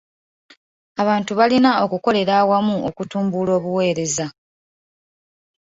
Abantu balina okukolera awamu okutumbula obuweereza.